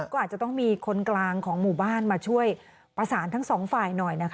ก็อาจจะต้องมีคนกลางของหมู่บ้านมาช่วยประสานทั้งสองฝ่ายหน่อยนะคะ